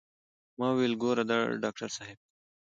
ما وويل ګوره ډاکتر صاحب.